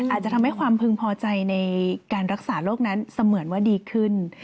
อาจจะทำให้ความพึงพอใจในการรักษาโรคนั้นเสมือนว่าดีขึ้น